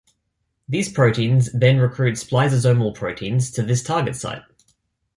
These proteins then recruit splicesomal proteins to this target site.